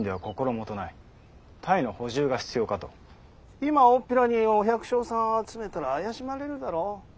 今おおっぴらにお百姓さん集めたら怪しまれるだろう。